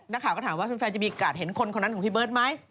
นักข่าวก็ถามว่าแฟนจะมีการเห็นคนคนนั้นของพี่เบิร์ตไหม